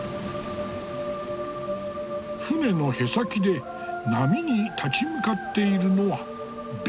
船のへさきで波に立ち向かっているのは弁慶だ。